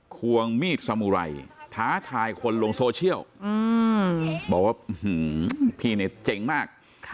ควงมีดสมุไรท้าทายคนลงโซเชียลบอกว่าพี่เนี่ยเจ๋งมาก